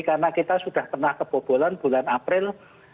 karena kita sudah pernah kebobolan bulan april